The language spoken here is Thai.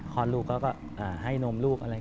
คลอดลูกเขาก็ให้นมลูกอะไร